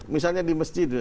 misalnya di masjid